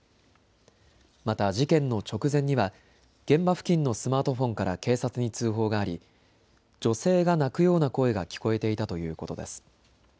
また事件の直前には現場付近のスマートフォンから警察に通報があり女性が泣くような声が聞こえていたということです。